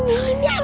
eh udah gini kan